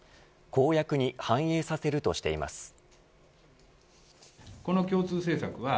公約に反映させるとしています。